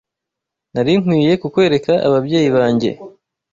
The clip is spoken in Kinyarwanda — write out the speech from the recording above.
Nari nkwiye kukwereka ababyeyi banjye